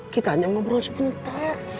kita hanya ngobrol sebentar